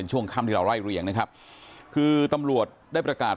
ช่วงค่ำที่เราไล่เรียงนะครับคือตำรวจได้ประกาศ